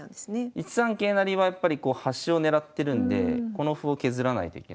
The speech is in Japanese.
１三桂成はやっぱり端を狙ってるんでこの歩を削らないといけないですね。